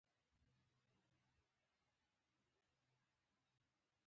دا راسره وي له مونږه نه جلا کېږي.